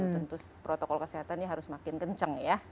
tentu protokol kesehatannya harus makin kencang ya